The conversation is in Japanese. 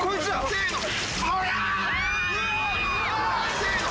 ・せの。